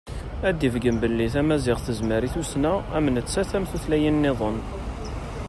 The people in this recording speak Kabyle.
Ad d-ibeggen belli tamaziɣt tezmer i tussna am nettat am tutlayin-nniḍen.